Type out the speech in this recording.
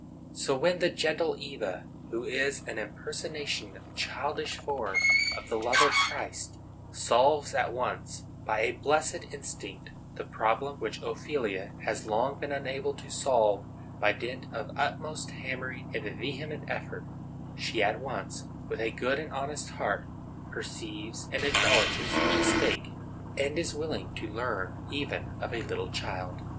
So when the gentle Eva, who is an impersonation in childish form of the love of Christ, solves at once, by a blessed instinct, the problem which Ophelia has long been unable to solve by dint of utmost hammering and vehement effort, she at once, with a good and honest heart, perceives and acknowledges her mistake, and is willing to learn even of a little child.